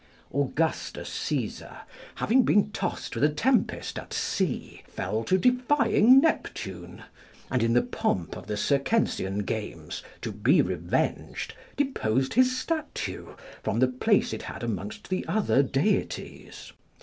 Augustus Caesar, having been tossed with a tempest at sea, fell to defying Neptune, and in the pomp of the Circensian games, to be revenged, deposed his statue from the place it had amongst the other deities.